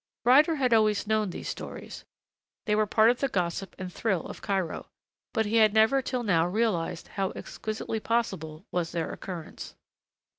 Ryder had always known these stories. They were part of the gossip and thrill of Cairo. But he had never till now realized how exquisitely possible was their occurrence.